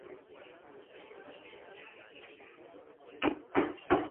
Ella tuvo otro hijo llamado Tomás.